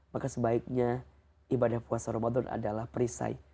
maka sebaiknya ibadah puasa ramadan adalah perisai